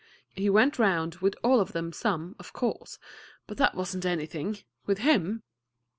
He went round with all of them some, of course; but that was n't anything with him."